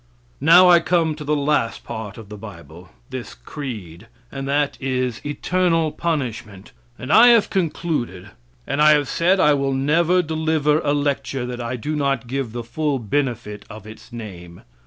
Now I come to the last part of the bible this creed and that is, eternal punishment, and I have concluded; and I have said I will never deliver a lecture that I do not give the full benefit of its name.